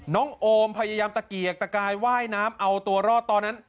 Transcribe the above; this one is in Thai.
โอมพยายามตะเกียกตะกายว่ายน้ำเอาตัวรอดตอนนั้น